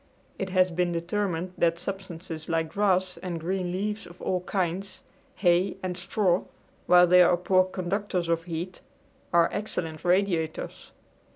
It has been determined that substances like grass and green leaves of all kinds, hay and straw, while they are poor conductors of heat, are excellent radiators.